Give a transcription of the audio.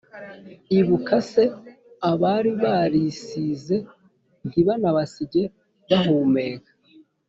ibuka se abari barisize ntibanabasige bahumeka